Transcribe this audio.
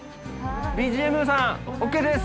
ＢＧＭさん、ＯＫです。